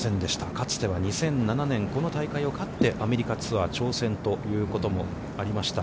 かつては２００７年、この大会を勝って、アメリカツアー挑戦ということもありました。